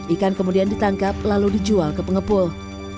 ikan kemudian ditangkap lalu dijual ke pengepul